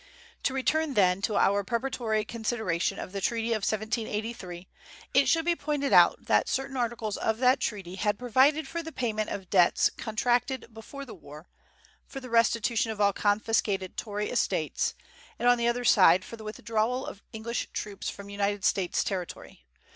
To return, then, to our preparatory consideration of the treaty of 1783, it should be pointed out that certain articles of that treaty had provided for the payment of debts contracted before the war, for the restitution of all confiscated Tory estates, and, on the other side, for the withdrawal of English troops from United States territory.